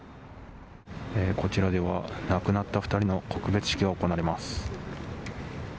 こちらでは、亡くなった２人の告別式が行われます。